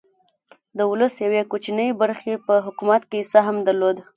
د ولس یوې کوچنۍ برخې په حکومت کې سهم درلود.